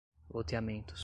loteamentos